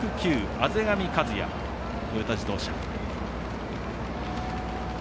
畔上和弥、トヨタ自動車。